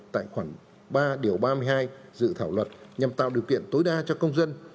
tại khoảng ba điều ba mươi hai dự thảo luật nhằm tạo điều kiện tối đa cho công dân